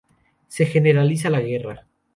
Se generaliza la guerra.